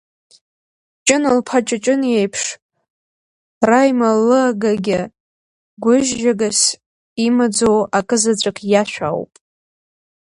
Ҷына-лԥа Ҷыҷын иеиԥш, Раималыагагьы гәыжьжьагас имаӡоу акы заҵәык иашәа ауп.